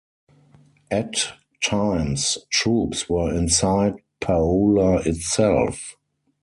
At times troops were inside Paola itself.